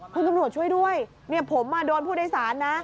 คุณตำรวจช่วยด้วยผมโดนผู้โดยสารนะ